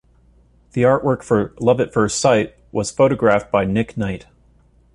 The artwork for "Love at First Sight" was photographed by Nick Knight.